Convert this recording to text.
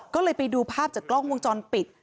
ก็เลยไปดูภาพจากกล้องวงจรปิด